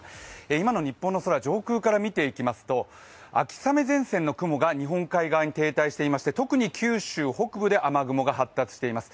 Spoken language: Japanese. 今の日本の空を上空から見ていきますと秋雨前線の雲が日本海側に停滞していまして特に九州北部で雨雲が発達しています。